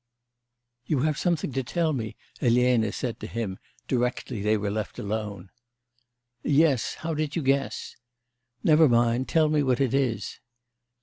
'You have something to tell me,' Elena said to him, directly they were left alone. 'Yes, how did you guess?' 'Never mind; tell me what it is.